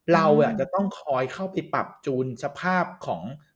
เราจะต้องคอยเข้าไปปรับจูนสภาพของ